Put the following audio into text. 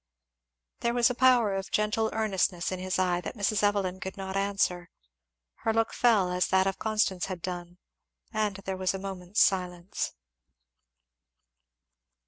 There was a power of gentle earnestness in his eye that Mrs Evelyn could not answer; her look fell as that of Constance had done, and there was a moment's silence.